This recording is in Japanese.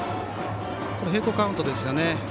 並行カウントですよね。